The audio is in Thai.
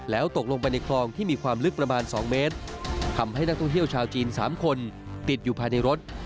แล้วตกลงไปในคลองที่มีความลึกประมาณ๒เมตรทำให้นักท่องเที่ยวชาวจีน๓คนติดอยู่ภายในรถ